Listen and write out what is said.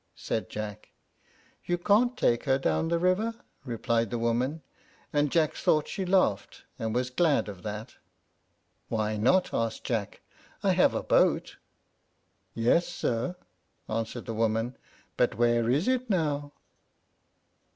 said Jack. "You can't take her down the river," replied the woman; and Jack thought she laughed and was glad of that. "Why not?" asked Jack. "I have a boat." "Yes, sir," answered the woman; "but where is it now?"